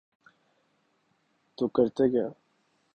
تو کرتے کیا۔